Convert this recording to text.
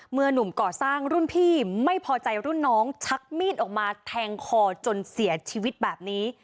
หนุ่มก่อสร้างรุ่นพี่ไม่พอใจรุ่นน้องชักมีดออกมาแทงคอจนเสียชีวิตแบบนี้